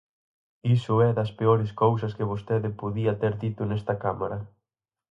Iso é das peores cousas que vostede podía ter dito nesta Cámara.